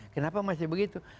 kenapa masih begitu